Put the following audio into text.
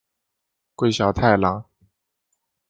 桂小太郎。